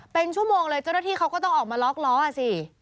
เป็นชั่วโมงเลยเจ้าหน้าที่เขาก็ต้องออกมาล็อกล้ออ่ะสิ